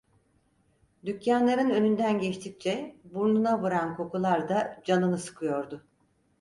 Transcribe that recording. Dükkânların önünden geçtikçe burnuna vuran kokular da canını sıkıyordu.